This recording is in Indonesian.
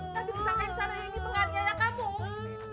nanti disangka insananya ini penghargainya kamu